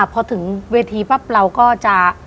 พอถึงเวทีปั๊บเราก็จะ